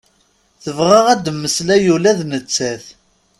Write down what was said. Tebɣa ad mmeslay ula d nettat.